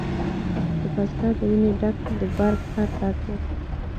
د بزګر له ویني ډک د برګ هر رګ و